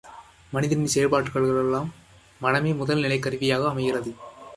மனிதனின் செயற்பாடுகளுக்கெல்லாம் மனமே முதல் நிலைக்கருவியாக அமைகிறது.